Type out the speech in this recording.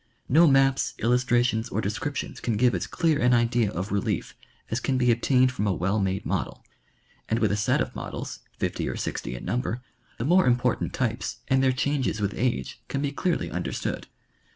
No maps, illustrations or descriptions can give as clear an idea of relief as can be obtained from a well made model, and with a set of models, fifty or sixty in number, the more important tj^pes and their changes with age can be clearly understood.